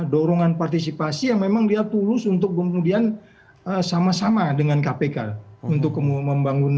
dorongan partisipasi yang memang dia tulus untuk kemudian sama sama dengan kpk untuk membangun